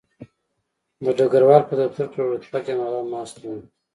د ډګروال په دفتر کې لوړ رتبه جنرالان ناست وو